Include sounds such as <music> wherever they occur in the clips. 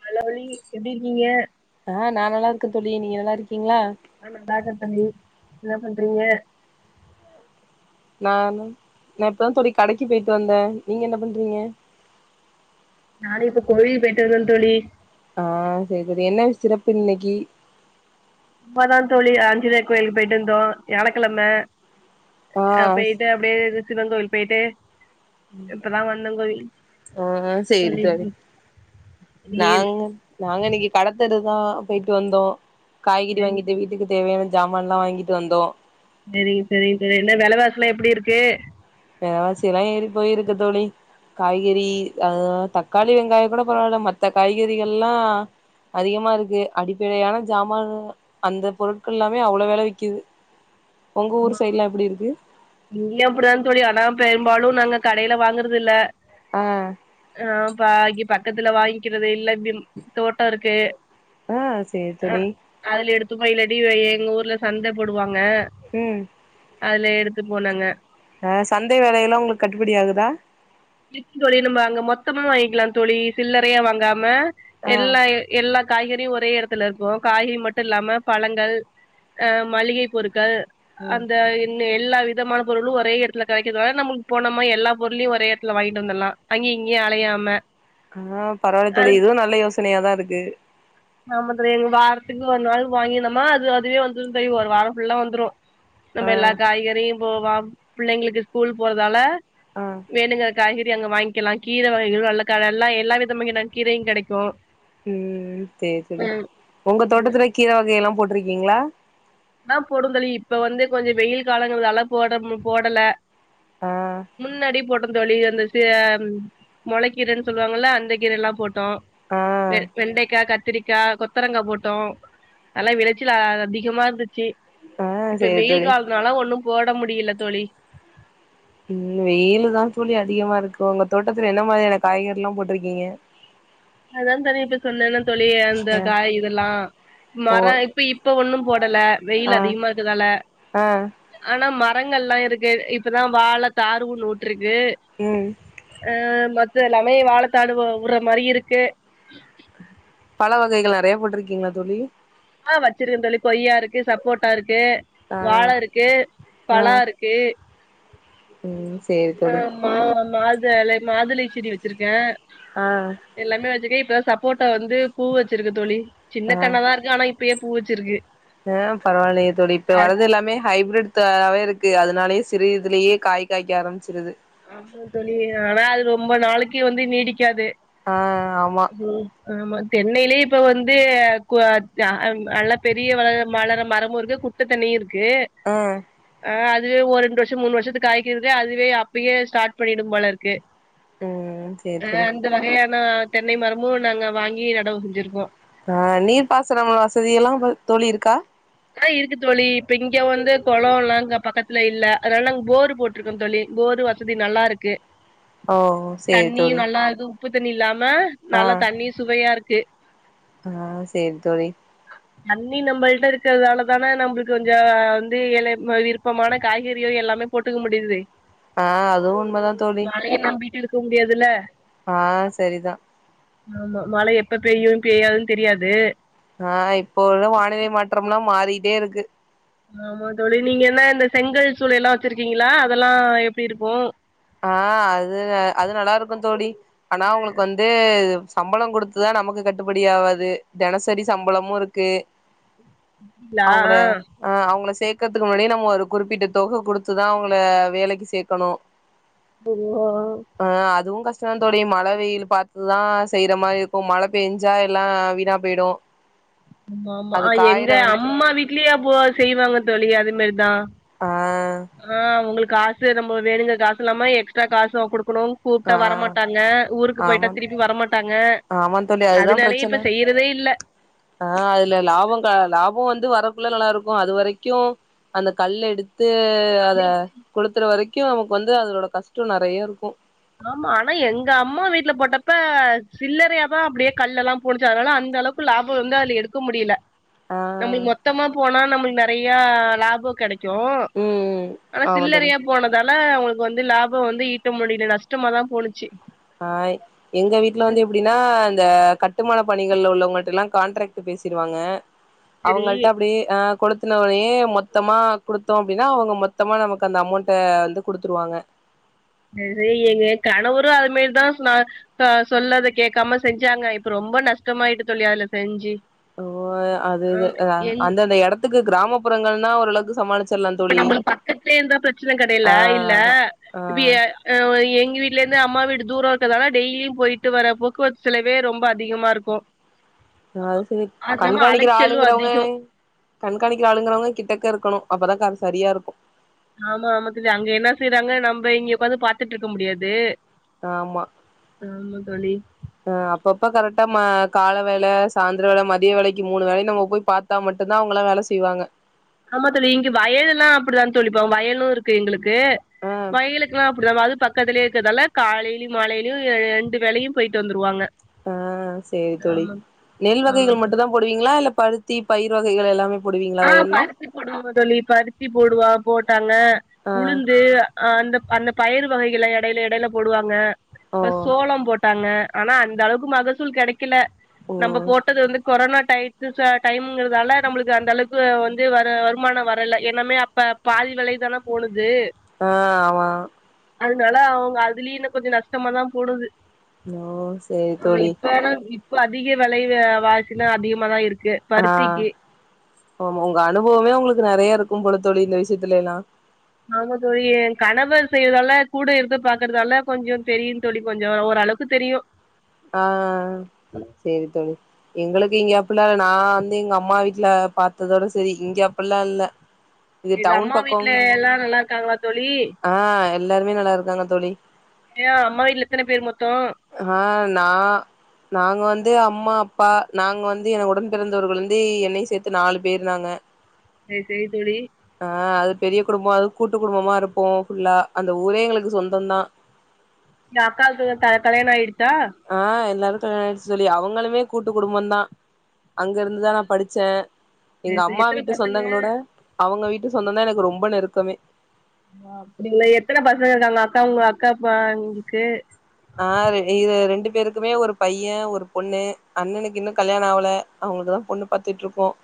தளபதி எப்டி இருக்கீங்க ஆ நான நல்லா இருக்கேன் தோழி நீ நல்லா இருக்கி ஜக்கரத்த தம்பி என்ன பண்றீங்க நானு நான இப்தான் கடைக்கு போயிட்டு வந்தேன் நீங்க என்ன பண்றீங்க நானும் இப்ப கோவில்க்கு போய்ட்டு வந்தேன் தோழி ஆ செரி செரி என்ன சிறப்பு இன்னைக்கி இப்ப தான் தோழி அஞ்சனோய கோயிலுக்கு போயிட்டு இருந்தோம் விழாயக்கிழம ஆ அப்போய்ட்டு அப்டிய சிவன் கோவில் போய்ட்டு ஆ செரி செரி தோழி நீர் நாங்க நாங்க இன்னைக்கி கடத்தெருவுக்கு இப்தான் போயிட்டு வந்தோம் காய்கறி சரிங்க வாங்கிட்டு வீட்டுக்கு தேவையான சாமான் எல்லாம் வாங்கிட்டு வந்தோம் செரிங்க செரிங்க செரி என்ன வெலவாசிஎல்லாம் எப்டி இருக்கு வெலவாசி எல்லாம் ஏறி போயிருக்கு தோழி காய்கறி அ தக்காளி வெங்காயம் கூட பரவாயில்ல மத்த காய்கறிகள் எல்லாம் அதிகமா இருக்கு அடிப்படையான சாமானான் அந்த பொருட்கள் எல்லாமே அவ்வளவு வெல விக்குது உங்க ஊர் சைடுலா எப்டி இருக்கு அனா பெரும்பாலும் நாங்க கடயில வாங்க விக்கறது இல்ல ஆ ஆ பாகி பக்க பக்கத்துல வாங்கிக்கிறது இல்ல <inaudible> தோட்டம் இருக்கு ஆ சேரி அ தோழி அதுல எடுத்து துவளடிக்கிர எங்க ஊர்ல சந்த போடுவாங் அங்க அதுல எடுத் போனாங்க அ சந்தை வேலைய எல்லாம் உங்களுக்கு கட்டுபடி ஆகுதா இக்கு தோழி நம்பா அங்க மொத்தமும் வாங்கிக்கலாம் தோழி சில்லறையா வாங்காம ஆ எல்ல எல்லா காய்கறும் ஒரே இடத்துல இருக்கும் காய்கறி மட்டும் இல்லாம பழங்கள் அஹ் மளிகை பொருட்கள் ம் அந்த இன்ன எல்லா வி விதமான பொருளும் ஒரேடத்துல கெடைக்கதுனால நம் போனம்மா எல்லா பொருளும்யும் ஒரே இ தல வாங்கிட்டு வந்தடலாம் அங்கய இங்கயே அலையாம ஆஹ் பரவாயில்ல தோழி இதுவும் நல்ல யோச சனயாதான் இருக்கு நம <unintelligible> வாரத்துக்கு ஒரு நாள் வாங்கினந்தம்மா அது அதுவே வந்துரும் தோழி ஒரு வாரம் ஃபுல்லா வந்துரும் ஆ நம்ம எல்லா காய்கறும் போவாம் பிள்ளங்களுக்கு ஸ்கூல் போறதால ஆ வேணுங்க காய்கறி கறி அங்க வாங்கிக்கலாம் கீர வகைகள் நல்ல நக்க எல்லாம் எல்லா விதம் வ கீரையும் கிடைக்கும் உம் சேரி சேரி உங்க தோட்டத்துல கீர வகைய எல்லாம் போட்டு இருக்கீங்களா அதா போடும் தோழி இப்ப வந்து கொஞ்சம் வெயில் காலங்களால போடமு போடல ஆ முன்னாடி போட்ட தோழி அந்த ஆஹ் மொளக்கீரைன்னு சொல்லுவாங்கல்ல அந்த கீரை எல்லாம் போட் டோ ஆ வெ வெண்டைக்காய் கத் கத்திரிக்காய் கொத்தரங்கா போட்டோம் நல்லா விளச்சல் அதிகமா இருந்துச் கே ஆ இப்ப சேரி வெயில் தோழி காலனால ஒண்ணும் போட முடியல தோழி உம் வெயிலு தான் தோழி அதிகமா இருக்கு இப்போ உங்க தோட்டத்துல என்ன மாதிரியான காய்கறி ல்லாம் போட்டிருக்கீங்க அதான் தனி இப்ப சொன்னேன்னா தோழி அந்த ஆ காய் இதெல்லாம் ஓ மரம் இப்ப இப்ப ஒண்ணும் போடல ஆ வெயில் அதிகமா இருக்குதால ஆ ஆனா மர மரங்கல்லாம் இருக்கு இப்பதான் வாழ தார் ஒன்னு வுருக்கு கு ம் அஹ் ம மத்தது எல்லாமே வாழத்தாரு உற மாரி இருக்கு கே பல வகைகள் நெறைய போட்டிருக்கீங்களா தோழி ஆஹ வச்சிருக்கன் தோழி கொய்ய இருக்கு சப்போட்டா இருக்கு ஆ க்கு வாழ இருக்கு பலா இருக்கு உம் ஆ மா மாதுஅளை மாதுளை செடி வச்சிருக்கேன் ஆ எல்லாமே வச்சக்கேப் இப்ப சப்போட்டா வந்து பூ வச்சிருக்கு தோலி சின்ன கண்ணா தான் இருக்கு ஆனா இப் அப்பயே பூ வச்சிருக்கு ஆஹ் பரவாயில்லைய தோலி இப்ப அ வரது எல்லாமே ஹைப்ரட் தாவே இருக்கு அதனாலயே சிறு இதுலேயே காய் காய்க்க ஆரம்பிச்சிறுது ஆமா தோலி ஆனா அது ரொம்ப நாளைக்கு வந்து நீடிக்காது ஆஹ் ஆமா ம் ஆமா தென்னையிலயே இப்ப வந்து கு அ பெரிய வள வளர மரமும் இருக்கு குட்டை தென்னையும் இருக்கு கே ஆ அஹ் இதுவே ஒரு இரண்டு வருஷம் மூணு வருஷத்துக்கு காய்கிறது அதுவே அப் அப்பயே ஸ்டார்ட் பண்ணிடும் போல இருக்கு ம் சேரி தோழி ஆஹ் அந்த வகையான தென்னை மரமும் நாங்க வாங்கி நடவு செஞ்சிருக்கோம் ஆஹ் நீர் பாசனம் வசதி எல்லாம் தோலி இருக்கா ஆ இருக்கு தோலி இப்ப இங்க வந்து குளம்ல்லாம் இங்க பக்கத்துல இல்ல அதனால நாங்க போரு போட்டிருக்கோம் தோலி போரு வசதி நல்லா இருக்கு ஓ சேரி தோழி புது நிலம் மா நல்லா தண்ணி சுவையா இருக் சே ஆஹ் சரி தோழி தண்ணி நம்மளிட்ட இருக்கு ச அதால தானே நம்மளுக்கு கொஞ்சம் வந்து இல விருப்பமான காய்கறியோ எல்லாமே போட்டுக்க முடியுது ஆஹ் அதுவும் உண்மைதான் தோலி தூங்கியதுதில ஆஹ் சரிதான் ஆமா மலை எப்ப பெய்யும் பெய்யாதுன்னு தெரியாது ஆஹ் இப்போ உள்ள வானிலை மாற்றம்லாம் மாறி டே இருக்கு ஆமா தோலி நீங்க என்ன இந்த செங்கல் சூளை எல்லாம் வச்சிருக்கீங்களா அதெல்லாம் எப்படி இருக்கோம் ஆஹ் அது அது நல்லா இருக்கும் தோலி ஆனா ஆ உங்களுக்கு வந்து சம்பளம் கொடுத்துதான் நமக்கு கட்டுப்படி ஆவாது தினசரி சம்பளமும் இருக்கு கூப்புடிங்களா ஆஹ் சேர்க்கறதுக்கு முன்னாடி நம்ம ஒரு குறிப்பிட்ட தொகை குடுத்துதான் அவங்கள வேலைக்கு சேர்க்கணும் <unintelligible> <unintelligible> மழ வெயில் பார்த்துதா செய்யற மாரி இருக்கு மல பெஞ்சா எல்லா வீணா போயிடு ஆமா ஆமா அது காயற எங்க வரைக்கு அம்மா வீட்லயே அப்போ செய்வாங்க தோலி அது மேரிதா ஆஹ் காசு நம்ம வேணுங்க காசு இல்லாம எக்ஸ்ட்ரா காசு குடு க்கணு கூப்ட்டா ஆ வரமாட்டாங்க ஊருக்கு போயிட்டா ஆமா திருப்பி வரமாட்டாங்க ஆமா தோழி அதனாலயே இப்ப செய்யறதே இல்ல ஆஹ் அதுல லாப கா லாப வந் து வரக்குள்ள நல்லா இருக்கு அது வரைக்கு அந்த கல் எடுத் து அத நம்மளுக்கு கொலுத்துற வரை கியு நமக்கு வந்து அதனோட கஷ்ட நெறைய இருக்கோ ஆமா ஆனா எங்க அம்மா வீட்ல போட்டப்ப சில்லறையாதா அப்டியே கல் எல்லா போனிச்சி அதனால அந்த அளவுக்கு லாப வந்து அதுல எடுக்க முடியல ஆ நம்மளுக் ம் மொத்தமா போனா நம்மளுக் நெறைய லாப கிடை க்கு ம் ஆனா ஆமா தோழி சில்லறியா போனதா ல அவுங்களுக்கு வந்து லாபம் வந்து ஈட்ட முடியல நஷ் டமாத ஆஹ் எங்க வீட்ல வந்து எப்டின்னா இந்த கட்டுமானப் பணிகள்ல உள்ளவங்கள்ட்ட எல்லா கான்ட்ராக்ட் பேசிடுவாங்க செரி அவங்கள்ட்ட அப்டே அஹ் கொலுத்துனவனே மொத்தமா குடுத்தோம் அப்டின்னா அவுங்க மொத்தமா நமக்கு அந்த அமௌண்ட வந்து குடுத்துருவாங்க <unintelligible> எங்க கணவரு அது மேரிதா சொன்னாங்க க சொல்லத கேட்காம செஞ்சாங்க இப்ப ரொம்ப நஷ்டமாயிட்டு தோலி அதுல செஞ்சி ஓ அது இது அந்த அந்த எடத் க்கு கிராம இப்ப நம்மளுக்கு பக்கத்துலே இருந்தா பிரச்சன கிடையல ஆ இல்ல அதா ஆ இப்ப எங்க வீட்ல இருந்து அம்மா வீடு தூர இருக்கறதால டெய்லியு போயிட்டு வர போக்குவரத்து செலவே ரொம்ப அதிகமா இருக்கோ அது சரி கண்காணிக்கிற ஆளுங்கிறவங்க அதிகம் கண்காணிக்கிற ஆளுங்கிறவங்க கிட்டக்க இருக்கணு அப்பதா கா அது சரியா இருக்கோ ஆமா ஆமா தோலி அங்க என்ன செய்யறாங்க நம்ம இங்க உக்காந்து பார்த்துட்டு இருக்க முடியாது ஆமா ஆமா தோழி ஆஹ் அப்பப்ப கரெக்டா மா கால வேல சாய்ந்தர வேல மதிய வேலைக்கு மூணு வேலையு நம்ம போய் பார்த்தா மட்டுந்தா அவுங்கலா வேல செய்வாங்க ஆமா தோலி இங்க வயலு எல்லா அப்டிதா தோலி வயலு இருக்கு எங்களு க்கு ஆ வயிலுக்கலா <unintelligible> பக்கத்திலே இருக்கதால காலையிலு மாலையிலு ரெண்டு வேலையு போயிட்டு வந்துருவாங்க ஆஹ் சேரி தோழி ஆமா நெல் ஆமா வகைகள் மட்டு தோழி தான் போடுவீங்களா இல்ல பருத் தீ பயிர் வகைகள் எல்லாமே போடுவீங்களா ஆ வயல்ல பருத்தி போடுவ தோழி பருத்தி போடுவா போட் ஆ உளுந்து அந்தப் அந்தப் பயிர் வகைகள எடையில எடையில போடுவாங்க ஓ சோளம் போட்டாங்க ஆனா அந்த அளவுக்கு மகசூல் கெடைக்கல கெடக்கில்ல ஓ நம்ம போட்டது வந்து கொரோனா டைம்ங்கறதால நம்மளுக்கு அந்த அளவுக்கு வந்து வ வருமானம் வரல என்னமே அப்ப பாதி விலை தானே போனுது ஆஹ் ஆமா அதனால அவுங்க அதுலயும் இன்னும் கொஞ்சோம் நஷ்டமா தான் போடுது அலோ சேரி ஆமா தோழி இப்ப ஆனா இப்ப அதிக வெலைவு வாசினா அதிகமா தான் இருக்கு இருக்கு ஆ பருத்திக்கு ஆமா உங்க அனுபவமே உங்களுக்கு நறைய இருக்கும் போல தோழி இந்த விஷயத்துலலாம் ஆமா தோழி என் கணவர் செய்றதால கூட இருந்து பாக்குறதால கொஞ்சோம் தெரியும் தோழி கொஞ்சோம் ஓரளவுக்கு தெரியும் ஆ ஆ சேரி தோழி எங்களுக்கு இங்க அப்லாம் இல்ல நான் வந்து எங்க அம்மா வீட்ல பாத்ததோட சேரி இங்க அப்லாம் இல்ல இது டவுன் அம்மா வீட்ல பக்கோங்கற எல்லாம் நல்லா இருக்காங்களா தோழி ஆ எல்லாருமே நல்லா இருக்காங்க தோழி ஏ அம்மா வீட்ல எத்தன பேர் மொத்தம் ஆ நான் நாங்க வந்து அம்மா அப்பா நாங்க வந்து என் ஒடன் பிறந்தவர்கள் வந்து என்னையும் சேத்து நாலு பேரு நாங்க சேரி சேரி தோழி ஆ அது பெரிய குடும்பம் அது கூட்டு குடும்பமா இருப்போம் ஃபுல்லா அந்த ஊரே எங்களுக்கு சொந்தம் தான் எங்க அக்காக்கு க கல்யாணம் ஆயிடுச் ஆ எல்லாருக்கும் கல்யாணம் ஆயிச்சி தோழி அவுங்களுமே கூட்டு குடும்பம் தான் அங்க இருந்துதான் நான் படிச்சேன் எங்க சரி சரி அம்மா எத்தன வீட்டு பசங்க சொந்தங்களோட அவுங்க வீட்டு சொந்தம் தான் எனக்கு ரொம்ப நெருக்கமே ஆ அப்டிங்களா எத்தன பசங்க இருக்காங்க அக்கா உங்க அக்காப் பங்களுக்கு ஆ இ ரெண்டு பேருக்குமே ஒரு பையன் ஒரு பொண்ணு அண்ணனுக்கு இன்னும் கல்யாணம் ஆவல அவுங்களுக்குதான் பொண்ணு பாத்துட்டு இருக்கோம்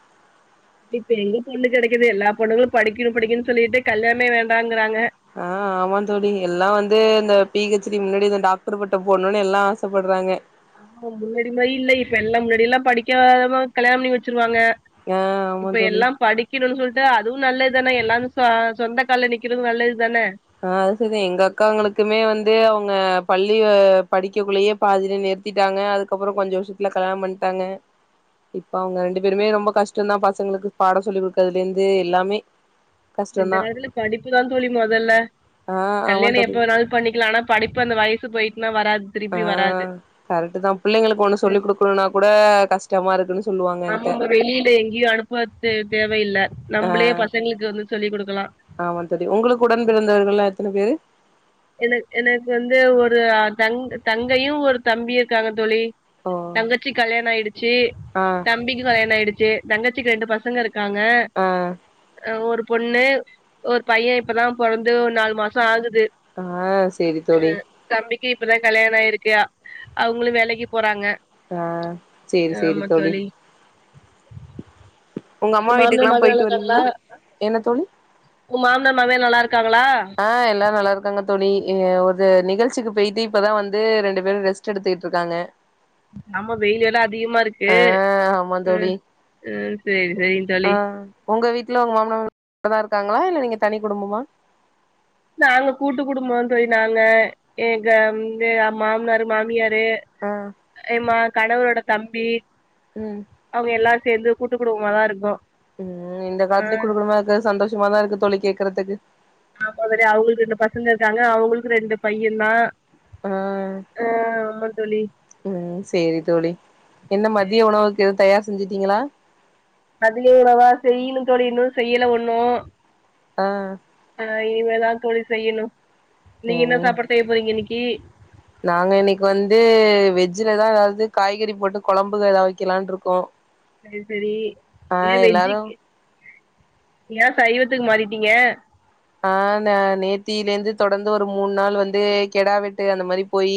இப்ப எங்க பொண்ணு கெடைக்குது எல்லா பொண்ணுகளும் படிக்கணும் படிக்கன்னு சொல்லிட்டு கல்யாணமே வேண்டாங்க ஆ ஆமா தோழி எல்லாம் வந்து இந்த பீ கச் டி முன்னாடி இந்த டாக்டர் பட்டம் போடணும்ன்னு எல்லாம் ஆசப்படுறாங்க ஆஹ முன்னாடி மாதிரி இல்லை இப்ப எல்லாம் முன்னாடி மாரி இல்ல படிக்காத கல்யாணம் பண்ணி வச்சிருவாங்க ஆ ஆமா இப்ப தோழி எல்லாம் படிக்கணும்ன்னு சொல்லிட்டு அதுவும் நல்லது இப்பதான எல்லாரும் சொந்த கால்ல நிக்கிறதும் நல்ல அஹ் அது சேரி எங்க அக்காங்களுக்குமே வந்து அவ அவங்க பள்ளி படிக்கக்குள்ளேயே பாதிலே நிறுத்திட்டாங்க அதுக்கப்பறம் கொஞ்சம் வருஷத்துல கல்யாணம் பண்ணிட்டாங்க இப்ப அவங்க ரெண்டு பேருமே ரொம்ப கஷ்டம்தான் பசங்களுக்கு பாடம் சொல்லி கொடுக்கறதுல இருந்து எல்லாமே இந்த கஷ்டம்தா காலத்துல படிப்புதான் தோழி மொதல்ல ஆ ஆமா கல்யாணம் தோழி எப்ப வோனாலும் பண்ணிக்கலாம் ஆனா படிப்பு அந்த வயசு போயி ஆஹ் கரெக்ட் தான் பிள்ளைங்களுக்கு ஒண்ணு சொல்லி் கொடுக்கணும்னா கூட கஷ்டமா இருக்குணு நமம வெளியில எங்கேயும் அனுப்பது தேவையில்லை ஆ நம்மளே பசங்களுக்கு வந்து சொல்லிக் கொடுக்கலாம் ஆமா தோழி உங்களுக்கு உடன் பிறந்தவர்கள்லா எத்தன பேரு என எனக்கு வந்து ஒரு தங் தங்கையும் ஒரு தம்பி இருக்காங்க தோழி ஓ தங்கச்சி கல்யாணம் ஆயிடுச்சு ஆ தம்பிக்கு கல்யாணம் ஆயிடுச்சு தங்கச்சிக்கு ரெண்டுபசங்க இருக் இருக்காங்க ஆ ஒரு பொண்ணு ஒரு பையன் இப்பதான் பிறந்து ஒரு நாலு மாசம் ஆகுது ஆஹ் சேரி தோழி இப்பதான் கல்யாணம் ஆயிருக்கு அவங்களும் வேலைக்கு போறாங்க ஆஹ் சேரி சேரி தோழி உங்க அம்மா ஏ மாமனார் வீட்டுக்குல்லா மாவிய போயிட்டு நல்லா இருக்கல வருவீங்களா உ மாமனார் மாமிய நல்லா இருக் ஆஹ் எல்லாம் நல்லா இருக் க்கங்க தோளி ஒரு நிகழ்ச்சிக்கு போயிட்டு இப்பதான் வந்து ரெண்டு பேரும் ரெஸ்ட் எடுத்துக்கிட்டு இருக்காங்க ஆமா வெயில எல்லாம் அதிகமா இருக்கு ஆ ஆமா உம் தோழி உம் சேரி சேரி ஆ தோழி உங்க வீட்டுல உங்க மாம்னா மாமியால இருக்காங்களா இல்ல நீங்க தனி குடும்பமா நாங்க கூட்டு குடும்பம்ன்னு தோழினாங்க எங்க வந்து மாமனார் மாமியார் இந்து ஆ ஏமா கணவரோட தம்பி ம் அவங்க எல்லா சேர்ந்து கூட்டு குடும்பம்மா தான் இருக்கும் உம் இந்த காலத்திலே கூட்டுகுடும்பமா இருக்க சந்தோஷ மா தான் இருக்கு தோழி கேடக்குறதுக்கு ஆமா வேர அவங்களுக்கு ரெண்டு பசங்க இருக்காங்க அவங்களுக்கு ரெண்டு பையன் தான் ஆஹ் தோழி உம் சேரி தோழி என்ன மதியம் உணவுக்கு எது தயார் செஞ்சுட்டீங்களா அது இணவா செய்யணும்னு தோழி இன்னும் செய்யலை ஒண்ணு ஆ அஹ் இனிமே தான் போய் செய்யனும் நீங்க என்ன ம் சாப்பாடு செய போறீங்க இன்னைக்கு கீழ் நாங்க இன்னைக்கு வந்து வெஜ்ஜிலதான் காய்கறி போட்டு குழம்பு ஏதா வைக்கலாம் இருக்கோம் செரி செரி ஏ வெஜ்ஜி ஏன் சை சைவதுக்கு மாறிட்டீங்க ஆஹ் ந நேத்திலேந்து தொடர்ந்து ஒரு மூணு நாள் வந்து கெட வெட்டு அந்த மாதிரி போயி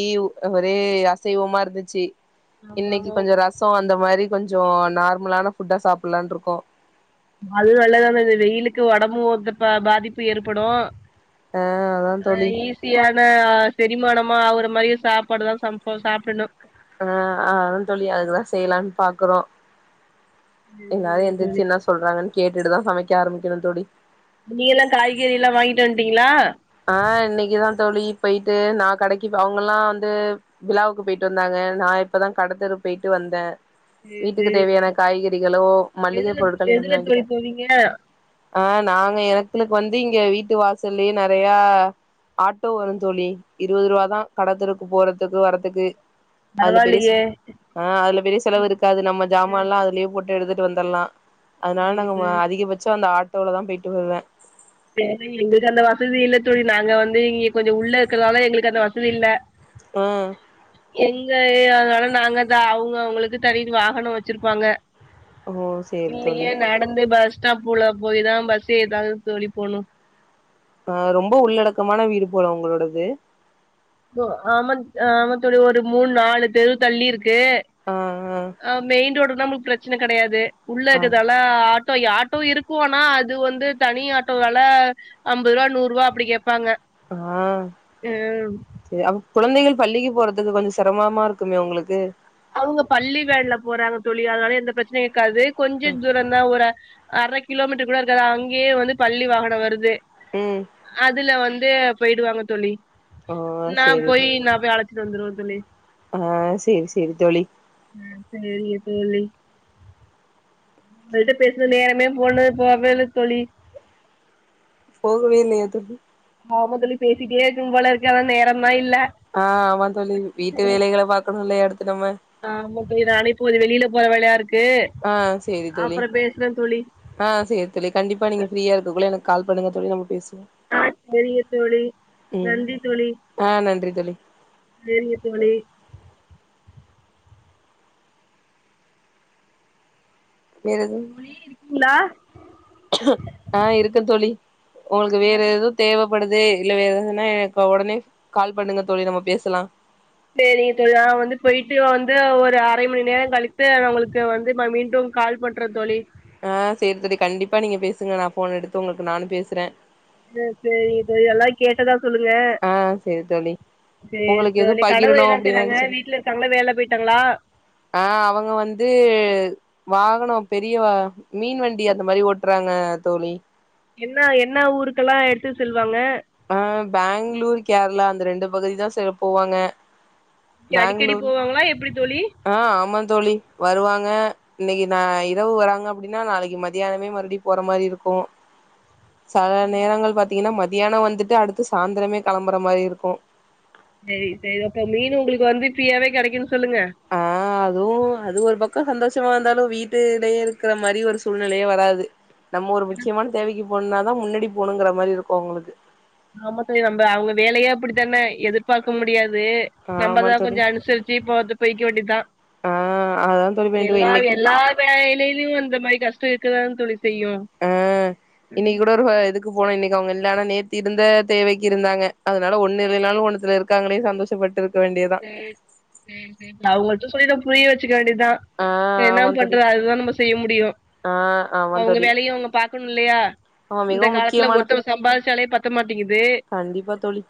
ஒரே அசைவமா இருந்துச்சு ஆமா இன்னைக்கு ஆமா கொஞ்சோ ரசம் அந்த மாரி கொஞ்சோ நார்மலான ஃபுட்டா சாப்பிடலான் இருக்கோம் அது நல்லதானது வெயிலுக்கு ஒடம்பு பாதிப்பு ஏற்படும் ஆ அதா தோழி ஈஸியான செரிமானம் மா அவர் மாரி சாப்பாடுதான் சமைப்போ சாப்டனும் ஆஹ் அதான் தோழி அதுதான் செய்யலாம்னு பாக்குறோம் சரி எல்லாரு சரி தோழி எந்துருச்சு என்ன சொல்றாங்கன்னு கேட்டுட்டுதான் சமைக்க ஆரம்பிக்கணும் தோழி நீங்க எல்லாம் காய்கறி எல்லாம் வாங்கிட்டு வண்டிகளா ஆஹ் இன்னைக்குதான் தோழி போயிட்டு நான் கடைக்கு அவங்க எல்லாம் வந்து விழாவுக்கு போயிட்டு வந்தாங்க நான் இப்பதான் கடத்தெரு போயிட்டு வந்தேன் சரி வீட்டுக்கு சரி தேவையான காய்கறிகளோ மல்லிகை எதுல பொருட்கள் எல்லாமே எதுல தோழி வாங்கிட்டேன் போவீங்க ஆஹ் நாங்க எங்களுக்கு வந்து இங்க வீட்டு வாசலை நிறைய ஆட்டோ வரும் தோழி இருபது ரூப தான் கடதெருக்கு போறதுக்கு வரதுக்கு அதுல பெரிய பரவாயில்லயே ஆஹ் அதுல பெரிய செலவு இருக்காது நம்ம ஜாமான் ம் எல்லாம் அதுலயே போட்டு எடுத்துட்டு வந்துடலாம் அதனால சரி நாங்க அதிகபட்சம் அந்த ஆ அவளவுதான் போயிட்டு வருவேன் செரி எங்களுக்கு அந்த வசதி இல்ல தோழி நாங்க வந்து இங்க கொஞ்சோ உள்ள இருக்கறதால எங்களுக்கு அந்த வசதி இல்ல உம் எங்க அதனால நாங்க தான் அவங்க அவங்களுக்கு தனி வாகனம் வச்சிருப்பாங்க ஓ சேரி தோழி இல்லையே நடந்து பஸ் பஸ் ஸ்டாப்பூல போய்தான் பஸ் ஏதாது தோழி போனும் ஆ ரொம்ப உள்ளடக்கமான வீடு போல உங்களோடது ஆ ஆமா தோழி ஒரு மூணு நாலு தெரு தள்ளி இருக்கு ஆ கு மெயின் ரோடு நம்மளுக்கு பிரச்சன கிடையாது உள்ள ஆ ஆ இருக்காதால இப்ப ஆட்டோ இருக்கும்னா அது வந்து தனி ஆட்டோ வெல அம்பது ரூபா நூறு ரூபா அப்படி கேப்பா ப்பாங்க ஆ உம் அப்ப குழந்தைகள் பள்ளிக்கு போறதுக்கு கொஞ்சம் சிரமமா இருக்குமே உங்களுக்கு அவுங்க பள்ளி வேன்ல போறாங்க தோழி அதுனால எந்த பிரச்சனையும் காது கொஞ்சம் தூரம் தான் ஒரு அரைக் கிலோமீட்டர் கூட இருக்காது அங் கேயே பள்ளி வாகனம் வருது ம் அதுல வந்து போயிடுவாங்க தோழி ஓ நான் சேரி போய் நான் போய் அழை வந்துருவேன் தோழி ஆஹ் சேரி சேரி தோழி ஆஹ் சேரிங்க தோழி உங்களிட்ட பேசின நேரமே போனது போவேல தோழி போகவே இல்லையா தொழி ஆமா தோழி பேசிட்டே இருக்கணும் போலருக்கு நேரமே ஆஹ் ஆமா தோழி வீட்டு வேலைகளை பாக்கணுல்லைய அடுத்து நம்ம ஆமாப்ப நானேப்போ வெளியில போரவேலைய இருக்கு ஆஹ் சேரி தோழி அப்புற பேசுறே தோழி ஆஹ் சேரி தோழி கண்டிப்பா நீங்க ஃப்ரீயா இருக்குள்ள எனக்கு கால் பண்ணுங்கதோழி நம்ம பேசு ஆ சரிங்க தோழி ம் நன்றி தோழி ஆ நன்றி தோழி சேரிங்க தோழி வேற எதுவும் தோழி இருக்கீங்களா ஆஹ் இருக்கேன் தோழி உங்களுக்கு வேற ஆ எதுவும் தேவப் ப்படுது இல்ல வேற ஏதுன்னா எனக்கு உடனே கால் பண்ணுங்க தோழி நம்ம பேசலாம் சேரிங்க தோழி நான் வந்து போயிட்டு வந்து ஒரு அரை மணி நேரம் கழித்து உங்களுக்கு வந்து மீண்டும் கால் பண்றேன் தோழி ஆஹ் சேரி சேரி கண்டிப்பா நீங்க பேசுங்க நான் போன் எடுத்து உங்களுக்கு நானும் பேசுறேன் சேரிங்க தோழி எல்லாம் கேட்டதா சொல்லுங்க ஆஹ் சரி தோழி சேரி உங்களுக்கு எதுவும் தோழி கணவர் பகிரணும் என்ன அப்படின் செய்றாங்க நெனச்ச வீட்ல இருக்காங்களா வேல போயிட்டாங்களா ஆஹ் அவங்க வந்து வாகனம் பெரியவா மீன் வண்டி அந்த மாரி ஓட்டுறாங்க தோழி என்ன என்ன ஊருக்கெல்லாம் எடுத்து செல்வாங்க அஹ் பெங்களூர் கேரளா அந்த ரெண்டு பகுதி தான் சில போவாங்க அடிக்கடி பேங்ளூர் போவாங்களா எப்படி தோழி ஆ ஆமா தோழி வருவாங்க இன்னைக்கு நான் இரவு வராங்க அப்படின்னா நாளைக்கு மதியானமே மறுபடி போற மாரி இருக்கும் செல நேரங்கள் பத் பாத்தீங்கன்னா மதியானம் வந்துட்டு அடுத்து சாந்திரமே கிளம்புற மாரி இருக்கும் சரி சரி அப்ப மீன் உங்களுக்கு வந்து ஃப்ரீயாவே கிடைக்குனு ஆஹ் அதுவும் அது ஒரு பக் சந்தோஷமா இருந்தாலும் வீட்டுலேயே இருக்கிற மாதிரி ஒரு சூழ்நிலையே வராது நம்ம ஒரு முக்கியமான தேவைக்கு போணுனாதான் முன்னடி போகணுங்கிற மாரி இருக்கும் அவங்களுக்கு ஆமா தோழி நம்ம அவுங்க வேலையே அப்புடித்தானே எதிர்பாக்க முடியாது து நம்ப ஆமா தான் தோழி கொஞ்சம் அனுசரிச்சு இப்ப போய்க்க வேண்டிதான் ஆ அதா தோழி பண்ணிட்டு இருக்க எல்லா இன்னைக்கு எல்லா வேலையிலும் இந்த மாதிரி கஷ் கேக்க தான் தோழி செய்யு உம் இன்னைக்கு கூட ஒரு இதுக்கு போனும் இன்னைக்கு அவுங்க இல்லாம நேத்தி இருந்த தேவைக்கு இருந்தாங்க அதனால ஒன்னு இல்லனாலும் ஒன்னுத்துல இருக்காங்களேன்னு சந்தோஷப்பட்டு இருக்க வேண்டியதா உம் உம் உஹம் அத மட்டும் சொல்லிடாதி புரிய வச்சு வேண்டி தான் ஆ என்ன ஆமா தோழி பண்றது அதுதான் நம்ம செய்ய முடியும் ஆ ஆமா அவுங்க தோழி வேலையும் அவுங்க பாக்கணும் இல்லையா ஆமா இந்த மிகவும் காலத்துல முக்கியமானது ஒருத்தவுங்க சம்பாதிச்சாலே பத் <unintelligible> கண்டிப்பா தோழி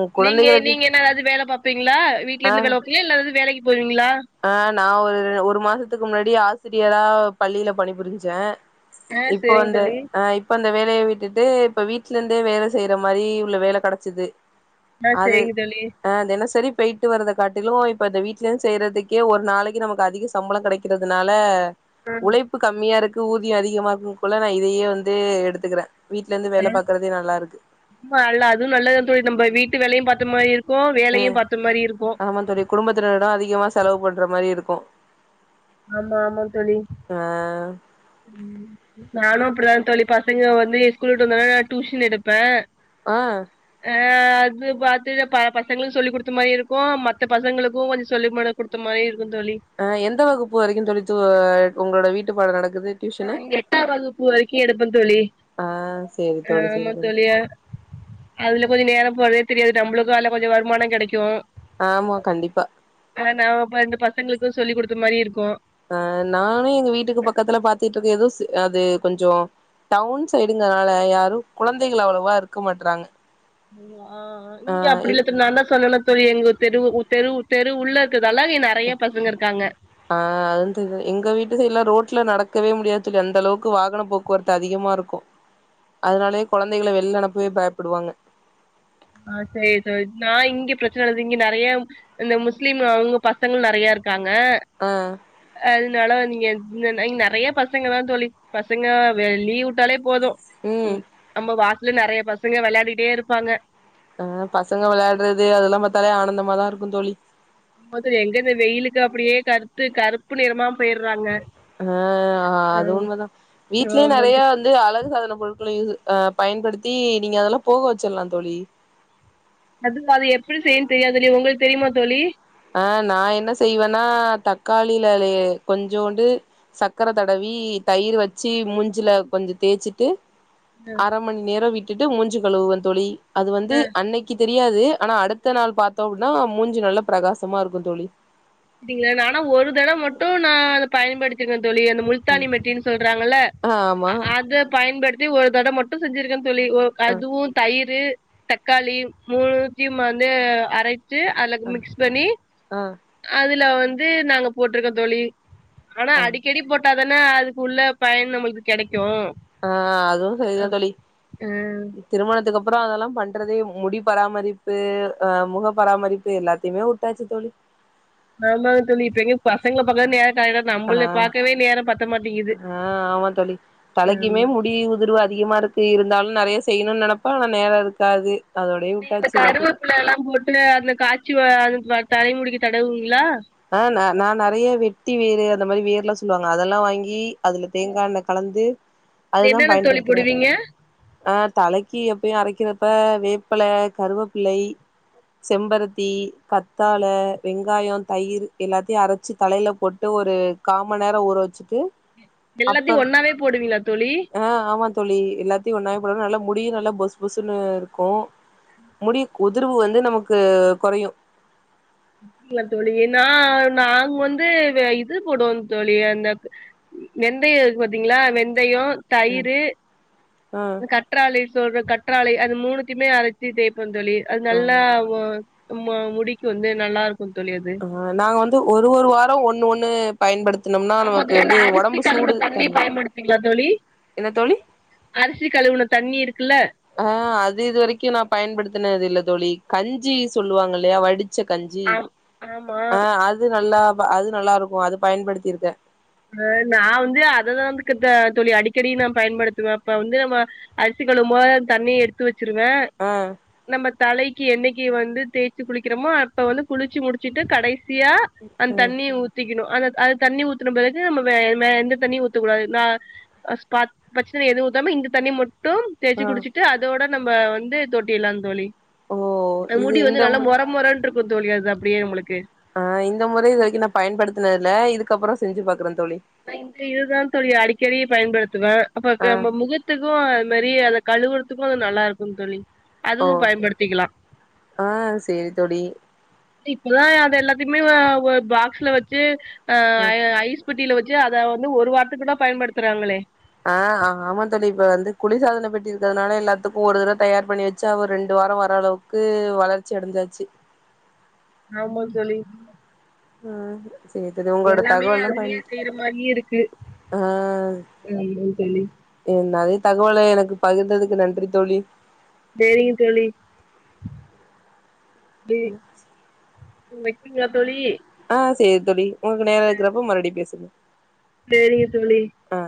உன் நீங்க குழந்தைகள நீங்க என்ன அது வேலை பாப்பீங்க இல்ல வீட்ல இருந்துவேலைபாப்பியா இல்ல வேலைக்கி போயி ஆஹ் நான் ஒரு ஒரு மாசத்துக்கு முன்னாடி ஆஸ் ஆசிரியரா பள்ளியில பணி புரிஞ்சேன் ஆ இப்போ சேரிங்க வந்து தோழி ஆஹ் இப்ப வந்து இந்த வேலையை விட்டுட்டு இப்ப வீட்டு்ல இருந்தே வேலை செய்யிற மாதிரி உள்ள வேலை கிடைச்சுது ஆஹ் சேரிங்க தோழி போயிட்டு வறத காட்டிலும் இப்ப அத வீட்லயே செய்யறதுக் கே ஒரு நாளைக்கு நமக்கு அதிக சம்பளம் கிடைக்கிறதுனால ஆ உழைப்பு கம்மியா இருக்கு ஊதியம் அதிகமாகும் குள்ள நான் இதையே வந்து எடுத்துக்கிறேன் உம் ஆமா நல்லா அதுவும் நல்லது தான் தோழி நம்ம வீட்டு வேலையும் பாத் அது மாரி இருக் உம் ஆமா தோழி குடும்பத்தினரிடம் அதிகமா செலவு பண்ற மாதிரி இருக் கும் ஆமா ஆமா தோழி நானும் அப்படிதான் தோழி ப சங்க வந்து என் ஸ்கூலுட்டு வந்தோன நான் டியூஷன் எடுப்பேன் ஆஹ் ஆஹ் அது பார்த்துட்டு ப பசங்க சொல்லி கொடுத்த மாதிரி இருக்கும் மத்த பசங்களுக்கும் கொஞ்சம் சொல்லி கொடுத்த மாதிரி இருக் ஆஹ் எந்த வகுப் பு வரைக்கும் தோழி து உங்களோட வீட்டு பாடம் நடக் இங்க எட்டாம் வகுப்பு வரைக்கும் எடுப்பேன் தோழி ஆ சேரி தோழி ஆஹ் சேரி ஆமா தோழி தோழிஅதுல கொஞ்சம் நேரம் போறதே தெரியாது நம்மளுக்கும் அதுல கொஞ்சம் வருமானம் கிடைக்கும் ஆமா கண்டிப்பா ஆஹ் நான் வந்து பசங்களுக்கு சொல்லி கொடுத்த மாதிரி இருக்கும் ஆஹ் நானும் எங்க வீட்டுக்கு பக்கத்துல பாத்து ட்டு இருக்கன் அது கொஞ்சோ டவுன் சைடுங்கனால யாரும் கொழந்தைக அவ்வளவா இருக்க மாட்றாங்க உம் ஆஹ் ஆ இங்க அப்படி இவ் இல்ல தோழி நான் சொன்னேன்ல எங்க தெரு தெரு தெரு உள்ள இருக்கதால இங்க நெறைய பசங்க இருக்காங்க ஆஹ் அது தெ எங்க வீட்டு சைடு எல்லாம் ரொம் ரோட்ல நடக்கவே முடியாது தோழி அந்த அளவுக்கு வாகன போக்குவரத்து அதிகமா இருக்கும் அதனாலயே குழந்தைகள வெளிய அனுப்பவே பயப்படுவாங்க ஆஹ் செரி செரி நான் இங்க பிரச்சனது இங்க நெறைய இந்த முஸ்லிம் அவங்க பசங்கள் நெறைய இருக்கா ங்க ஆ அதனால நீங்க இங்க நெறைய பசங்க தான் தோழி பசங்க லீவ் விட்டாலே போதும் ம் நம்ம வா நெறைய பசங்க விளையாடிட்டே இருப்பாங்க ஆஹ் பசங்க விளையாடுறது அதெல்லாம் பாத்தாலே ஆனந்தமாதான் இருக் கு தோழி மொத்தோ எங்க இந்த வெயிலுக்கு அப்டியே கருத்து கருப்பு நிறமா போய்டுறாங்க அஹ் அது உண்மதான் வீட்லேயே ஆமா நெறைய வந்து அழகு சாதன பொரு களா பயன்படுத்தி நீங்க அதெல்லாம் போக வச்சிடலாம் தோழி அது அது எப்படி செய்யன்னு தெரியாது தோழி உங்களுக்கு தெரியுமா தோழி அஹ் நான் என்ன செய்வேன்னா தக்காளில கொஞ்சோண்டு சக்ர தடவி தயிர் வச்சு மூஞ்சில கொஞ்சம் தேய்ச்சுட்டு அரை மணி நேரம் விட் ட்டு மூஞ்சு கழுவுவன் தோழி அது ஆ வந்து அன்னைக்கு முடியாது ஆனா அடுத்த நாள் பாத்தோம் னா மூஞ்சு நல்ல பிரகாசமாக இருக்கும் தோழி அப்டிங்களா நானா ஒரு தட மட்டும் நான் அத பயன்படுத்தீப்பேன் தோழி அந்த முல்தானி ம் மெட்டின்னு சொல்றாங்கல்ல ல ஆ ஆமா அத பயன்படுத்தி ஒரு தடவ மட்டும் செஞ்ருக்கன் தோழி ஆ அதுவும் தயிர் தக்காளி முணூத்தயும் வந்து அரை சு அதுல ஆ மிக்ஸ் பண்ணி ஆ அதுல வந்து நாங்க போட்டிருக்கோம் தோழி ஆனா ஆ அடிக்கடி போட்டா அதுக்கு உள்ள பயன் நமளுக்கு கெடைக்கும் ஆஹ் அதுவும் சரிதான் தோழி அ திருமணத்துக்கு அப் அப்புறம் அதெல்லாம் பண்றதே முடி பராமரிப்பு ஆஹ் முக பராமரிப்பு எல்லாத்தையுமே வுட்டாச்சு தோழி ஆமாங்க தோழி இப்ப எங்க பசங்க பக்கம் ஆஹ் ஆஹ் ஆமா தோழி ஆமா தலைக்குமே முடி உதிர்வு அதிகமா இருக்கு இருந்தாலும் நறைய செய்யணும்னு நினைப்பா நேரம் இருக்காது அதோடயே இந்த வுட்டாச்சு எல்லாத்தையு கருவேப்புள்ள எல்லாம் போட்டு அந்த காச்சி தரைமுடிக்கு தடவுவீங்களா ஆஹ் நான் நறைய வெட்டி வேறு அந்த மாரி வேர் எலாம் சொல்லுவாங்க அதெல்லாம் வாங்கி அதுல தேங்காஎண்ண கலந்து அது அதுதான் என்னென்ன தோழி பயன்படுத்துறேன் போடுவீங்க ஆஹ் தலைக்கு எப்பயும் அரைக்கிற அப்ப வேப்பளை கருவேப்பிள்ளை செம்பருத்தி கத்தாழ வெங்காயம் தயிர் எல்லாத்தையும் அரைச்சி தலையில போட்டு ஒரு காம நேரம் ஊற வச்சு ம் எல்லாத்தையு அப்பறம் ஒன்னாவே போடுவீங்களா தோழி ஆஹ் ஆமா தோழி எல்லாத்தையும் ஒன்னாய போட நல்ல முடியு நல்லா புஸ் புஸ்னு இருக்கும் முடிய உதிர்வு வந்து நமக்கு கொறையும் ங்களா தோழி நான் நாங்க வந்து இது போடுவோம் தோழி அந்த வெந்தயம் பாத்தீங்களா வெந்தயம் தயிரு ஆ கற்றாலை சொல்ற கற் றாலை அது மூணத்துமே அரைச்சி தேய் தோழி அது ஆ நல்லா முடிக்கு வந்து நல்லாருக்கும் ஆஹ் நாங்க வந்து ஒரு ஒரு வாரம் ஒண்ணு ஒண்ணு பயன்படுத் ஆ ம அரிசி கலுன தண்ணி தணியு பாயன்படுதுவீங்கிலா தோழி என்ன தோழி அரிசி கழுவுன தண்ணி இருக்கு <unintelligible> அஹ் அது இது வரைக்கும் நான் பயன்படுத்தினது இல்ல தோழி கஞ்சி சொல்லுவாங்க இல்லையா வடிச் ச்ச கஞ்சி ஆம் ஆமா ஆஹ் அது நல்லா அது நல்லா இருக்கும் அது பயன்படுத்திருக்கன் ஆஹ் நான் வந்து அததான்க்கு தோழி அடிக்கடி நான் பயன்படுத்துவேன் அப்ப வந்து நம்ம அரிசி கழுவும் தண்ணிய எடுத்து வச்ச வச்சிருவேன் ஆ நம்ம தலைக்கு எண்ணிக்கிவந்து தேய்ச்சு குளிக்கிறோமோ அப்ப வந்து குளிச்சு முடிச்சிட்டு கடைசி சியா அந்த தண்ணி ஊத்திகணும் அ அது தண்ணி உத் நம்ம எந்த தண்ணியும் ஊத்துக்கூடாது ந <inaudible> ஊத்தாம இந்த தண்ணி <inaudible> தேயிச்சு ஆ குடிச்சிட்டு அதோட நம்ம வந்து தோட்டி எல்லாம் தோழி ஓ இது முடி இந்த வந்து நல்லா மோர மோர இருக்கு கொது தோழி அப்டியே உங்களுக்கு ஆ இந்த முறை இது வரைக்கும் நான பயன்படுத்தினது இல்ல இதுக்கப்பறம் செஞ்சு பாக்குறே தோழி இதுதான் தொழி அடிக்கடி பயன்படுத்துவேன் அப்ப ஆ நம்ம முகத்துக்கும் அது மாரி அத கழுவுறதுக்கும் அது நல்லா இருக்கும் தோழி ஓ அதுவும் பயன்படுத்திக்கலாம் ஆ சேரி தோழி இப்தான் அது எல்லாம் எமே ஒரு பாக்ஸ்ல வச்சு ஆ ம். ஐஸ் குட்டில அத வந்து ஒரு வாரத்துக்குதா பயன்படுத்துறாங்களே ஆ ஆமா தோழி இப்ப வந்து குளி சாதன பெட்டி இருக்கிறதுனால எல்லாத்துக்கும் ஒரு தடவ தயார் பண்ணி வச்சு அவர் ரெண்டு வாரம் வர அளவுக்கு வளர்ச்சி அடைஞ்சாச்சு ஆமா தோழி ஆ செரி உங்களோட எல்லாமே தகவலாம் அதுலயே பயன்படுத்தி செய்யற மாரியே இருக்கு ஆ ஆமா தோழி என்ன தகவல் எனக்கு பகிர்ந்ததுக்கு நன்றி தோழி செறீங்க தோழி <inaudible> வைக்கீங்களா தோழி ஆ செரி தோழி உங்க நேரம் இருக்கிறப்ப மறுபடி பேசுங்க செரிங்க தோழி ஆ